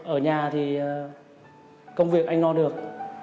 ở nhà thì công việc anh no được